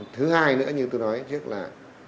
thứ hai nữa như tôi nói trước là